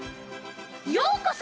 ようこそ！